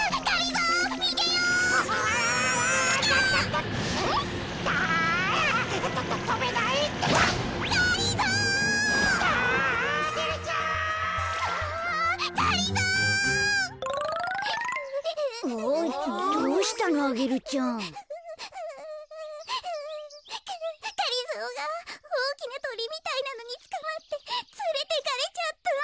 がりぞーがおおきなトリみたいなのにつかまってつれてかれちゃった。